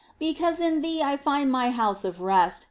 21 Because in thee I find My house of rest.